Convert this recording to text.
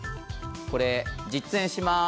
これ実演します。